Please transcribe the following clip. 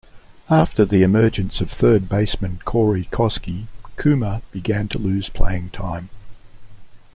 After the emergence of third baseman Corey Koskie, Coomer began to lose playing time.